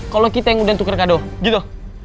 kalo kita yang udah tuker kado gitu